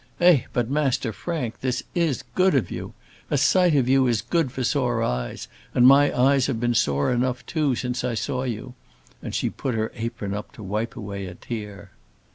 Eh, but Master Frank, this is good of you. A sight of you is good for sore eyes; and my eyes have been sore enough too since I saw you;" and she put her apron up to wipe away a tear.